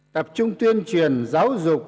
tập trung tuyên truyền giáo dục